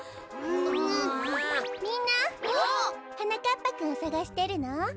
みんなはなかっぱくんをさがしてるの？